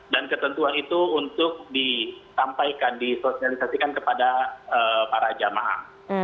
dan ketentuan itu untuk disampaikan disosialisasikan kepada para jemaah